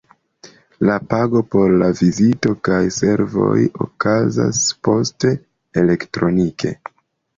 La pago por la vizito kaj servoj okazas poste, elektronike.